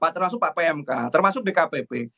termasuk pak pmk termasuk dkpp